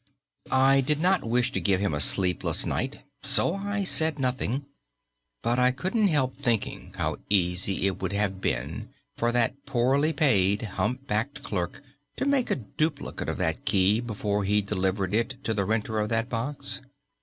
I did not wish to give him a sleepless night so I said nothing; but I couldn't help thinking how easy it would have been for that poorly paid, humpbacked clerk to make a duplicate of that key before he delivered it to the renter of that box.